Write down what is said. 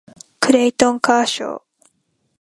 クレイトン・カーショー